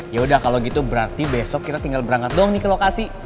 ya udah kalau gitu berarti besok kita tinggal berangkat dong nih ke lokasi